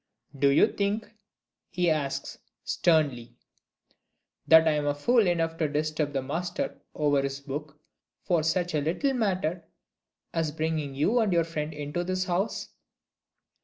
"Do you think," he asks, sternly, "'that I am fool enough to disturb the Master over his books for such a little matter as bringing you and your friend into this house?"